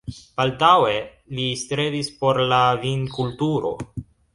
Baldaŭe li strebis por la vinkulturo.